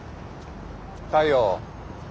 太陽。